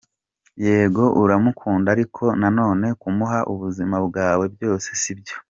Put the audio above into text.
Yego uramukunda ariko nanone kumuha ubuzima bwawe byose sibyo.